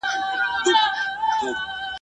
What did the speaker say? پر بچیو مو ماړه خرامان ګرځي !.